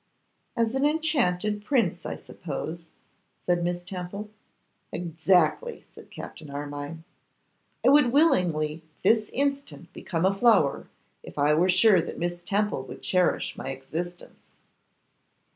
'As an enchanted prince, I suppose?' said Miss Temple. 'Exactly,' said Captain Armine; 'I would willingly this instant become a flower, if I were sure that Miss Temple would cherish my existence.